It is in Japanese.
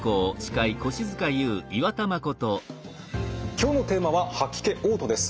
今日のテーマは「吐き気・おう吐」です。